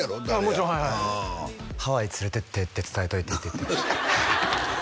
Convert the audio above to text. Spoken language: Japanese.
もちろんはいはいハワイ連れていってって伝えといてって言ってました